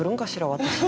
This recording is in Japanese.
私。